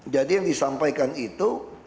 jadi yang disampaikan itu